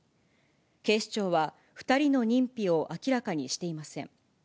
警視庁は、２人の認否を明らかにしていません。